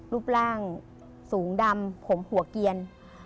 รูปร่างสูงดำผมหัวเกียร